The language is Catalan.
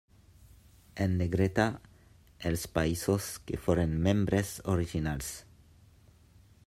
En negreta, els països que foren membres originals.